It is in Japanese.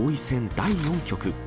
第４局。